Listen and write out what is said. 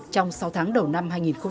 trong sáu tháng đầu năm hai nghìn hai mươi